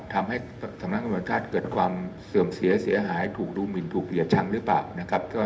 ทำให้สำนักตำรวจชาติเกิดความเสื่อมเสียเสียหายถูกดูหมินถูกเกลียดชังหรือเปล่านะครับ